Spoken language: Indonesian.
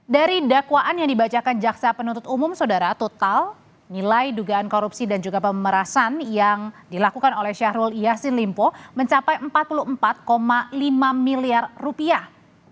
dari dakwaan yang dibacakan jaksa penuntut umum saudara total nilai dugaan korupsi dan juga pemerasan yang dilakukan oleh syahrul yassin limpo mencapai empat puluh empat lima miliar rupiah